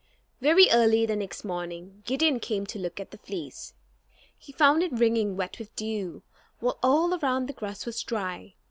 Very early the next morning, Gideon came to look at the fleece. He found it wringing wet with dew, while all around the grass was dry.